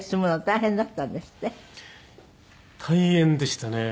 大変でしたね。